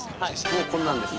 もうこんなんです。